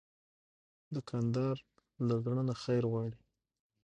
دوکاندار له زړه نه خیر غواړي.